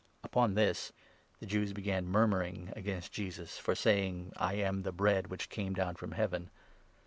Upon this the Jews began murmuring against Jesus for 41 saying —' I am the Bread which came down from Heaven.'